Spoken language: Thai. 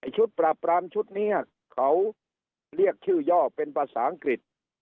ชุดปราบปรามชุดนี้เขาเรียกชื่อย่อเป็นภาษาอังกฤษ